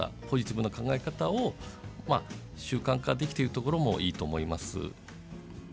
ポジティブな考え方を習慣化できているということもいいと思います。